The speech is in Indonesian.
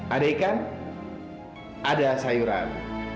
ada ikan ada sayuran